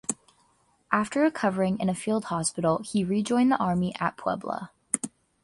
After recovering in a field hospital, he rejoined the army at Puebla.